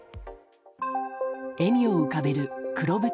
笑みを浮かべる黒縁